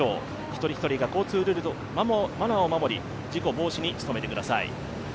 一人一人が交通ルールとマナーを守り事故防止に努めてください。